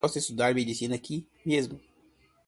Posso estudar medicina aqui mesmo.